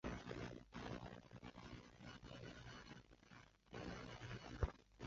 格尔贝尔斯豪森是德国图林根州的一个市镇。